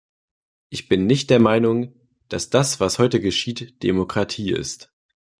Ich bin nicht der Meinung, dass das, was heute geschieht, Demokratie ist.